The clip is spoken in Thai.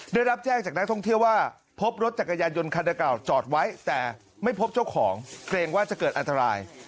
ได้รับแจ้งจากนักท่องเที่ยวว่าพบรถจักรยานยนต์คันเก่าจอดไว้แต่ไม่พบเจ้าของเกรงว่าจะเกิดอันตราย